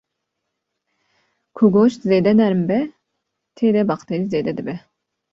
ku goşt zêde nerm bibe tê de bakterî zêde dibe